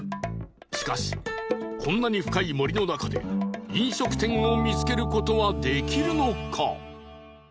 しかしこんなに深い森の中で飲食店を見つける事はできるのか？